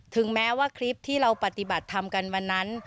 ถึงแม้ว่าคลิปที่เราปฏิบัติทำกันวันนั้น